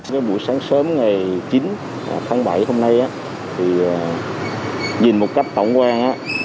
với buổi sáng sớm ngày chín tháng bảy hôm nay nhìn một cách tổng quan